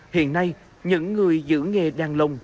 hiện nay những người giữ nghề đàn lồng